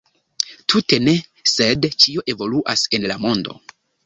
Tute ne, sed ĉio evoluas en la mondo!